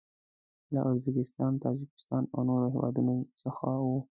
له ازبکستان، تاجکستان او نورو هیوادو څخه و.